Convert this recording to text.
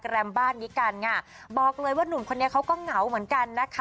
แรมบ้านนี้กันค่ะบอกเลยว่านุ่มคนนี้เขาก็เหงาเหมือนกันนะคะ